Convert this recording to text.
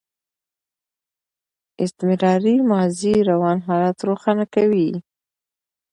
استمراري ماضي روان حالت روښانه کوي.